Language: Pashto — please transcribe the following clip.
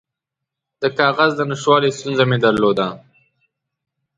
د کاغذ د نشتوالي ستونزه مې درلوده.